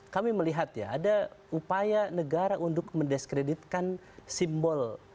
kami melihat ya ada upaya negara untuk mendiskreditkan simbol